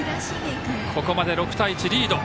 ここまで６対１、リード。